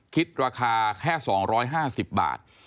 คิดราคาแค่๒๕๐บาท